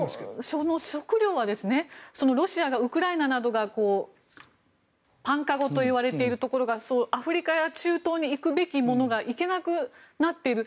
その食料はウクライナなどがパン籠といわれているところがアフリカや中東に行くべきものが行けなくなっている。